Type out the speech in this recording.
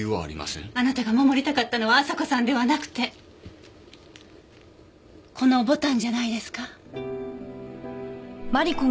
あなたが守りたかったのは朝子さんではなくてこの牡丹じゃないですか？